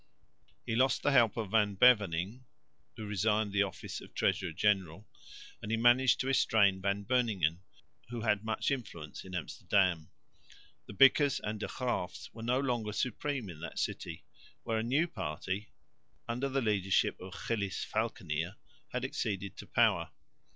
He lost the help of Van Beverningh, who resigned the office of Treasurer General, and he managed to estrange Van Beuningen, who had much influence in Amsterdam. The Bickers and De Graeffs were no longer supreme in that city, where a new party under the leadership of Gillis Valckenier had acceded to power.